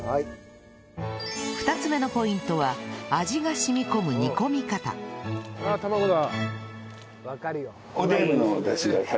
２つ目のポイントは味が染み込む煮込み方ああ卵だ。